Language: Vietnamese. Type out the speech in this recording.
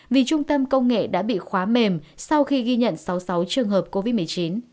vì trung tâm công nghệ đã bị khóa mềm sau khi ghi nhận sáu mươi sáu trường hợp covid một mươi chín